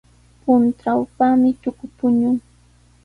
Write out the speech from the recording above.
Puntrawpami tuku puñun.